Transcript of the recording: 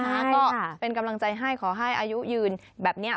ก็เป็นกำลังใจให้ขอให้อายุยืนแบบนี้